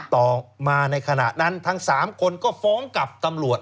ต่อมาในขณะนั้นทั้ง๓คนก็ฟ้องกับตำรวจ